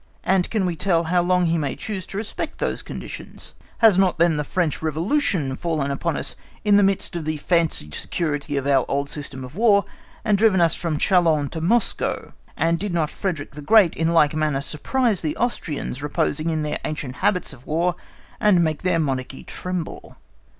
And can we tell, how long he may choose to respect those conditions? Has not then the French Revolution fallen upon us in the midst of the fancied security of our old system of War, and driven us from Chalons to Moscow? And did not Frederick the Great in like manner surprise the Austrians reposing in their ancient habits of War, and make their monarchy tremble?